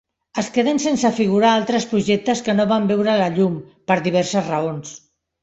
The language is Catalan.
Es queden sense figurar altres projectes que no van veure la llum, per diverses raons.